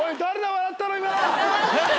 笑ったの今！